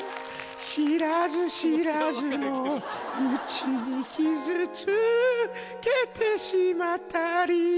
知らず知らずのうちに傷つけてしまったり